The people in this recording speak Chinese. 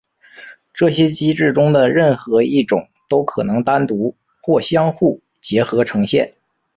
这些机制中的任何一种都可能单独或相互结合呈现。